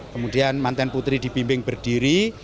kemudian mantan putri dibimbing berdiri